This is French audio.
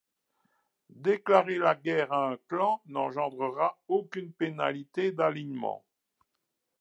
Déclarer la guerre à un clan n'engendrera aucune pénalité d'alignement.